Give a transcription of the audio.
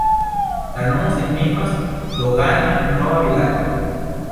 La nomo signifas: dogana-nova-vilaĝo.